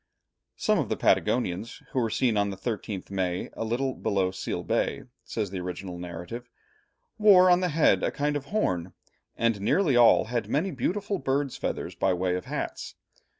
"Some of the Patagonians who were seen on the 13th May a little below Seal Bay," says the original narrative, "wore on the head a kind of horn, and nearly all had many beautiful birds' feathers by way of hats.